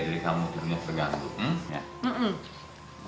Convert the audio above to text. jadi kamu ternyata terganggu